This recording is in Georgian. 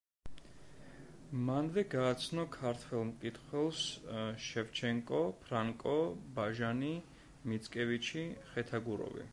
მანვე გააცნო ქართველ მკითხველს შევჩენკო, ფრანკო, ბაჟანი, მიცკევიჩი, ხეთაგუროვი.